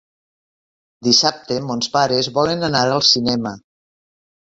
Dissabte mons pares volen anar al cinema.